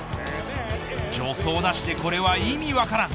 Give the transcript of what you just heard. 助走なしでこれは意味分からん。